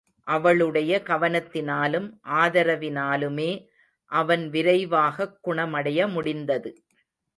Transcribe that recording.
அவளுடைய கவனத்தினாலும் ஆதரவினாலுமே அவன் விரைவாகக் குணமடைய முடிந்தது.